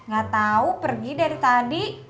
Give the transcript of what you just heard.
gatau pergi dari tadi